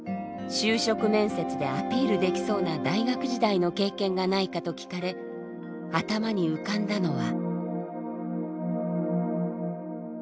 就職面接でアピールできそうな大学時代の経験がないかと聞かれ頭に浮かんだのは。